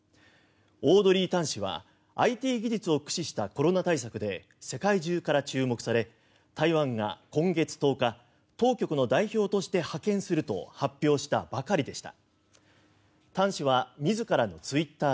オードリー・タン氏はＩＴ技術を駆使したコロナ対策で世界中から注目され台湾が今月１０日当局の代表として派遣すると発表したばかりでした。